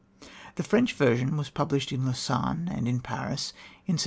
The French version was published in Lausanne and in Paris in 1787.